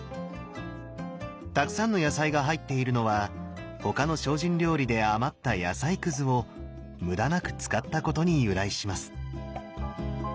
たくさんの野菜が入っているのは他の精進料理で余った野菜くずを無駄なく使ったことに由来します。